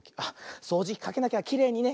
そうじきかけなきゃきれいにね。